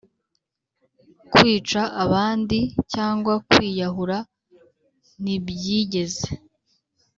kwica abandi cyangwa kwiyahura ntibyigeze